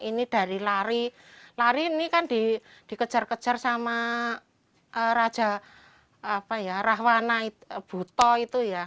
ini dari lari lari ini kan dikejar kejar sama raja rahwana buto itu ya